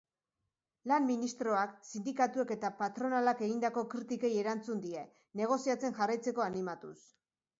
Lan ministroak sindikatuek eta patronalak egindako kritikei erantzun die, negoziatzen jarraitzeko animatuz.